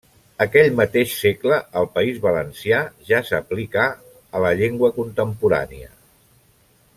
Aquell mateix segle, al País Valencià, ja s'aplicà a la llengua contemporània.